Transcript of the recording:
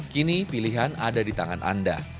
kini pilihan ada di tangan anda